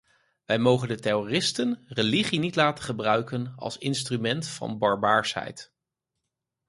Wij mogen de terroristen religie niet laten gebruiken als instrument van barbaarsheid.